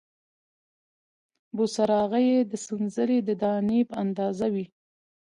بوسراغې یې د سنځلې د دانې په اندازه وې،